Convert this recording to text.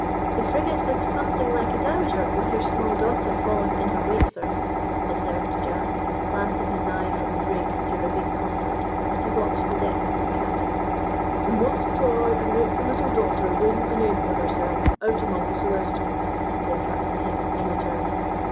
"The frigate looks something like a dowager with her small daughter following in her wake, sir," observed Jack, glancing his eye from the brig to her big consort, as he walked the deck with his captain. "We must try and make the little daughter win a name for herself out among the Celestials," said Captain Hemming in return.